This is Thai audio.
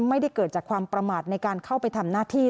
ไม่ได้เกิดจากความประมาทในการเข้าไปทำหน้าที่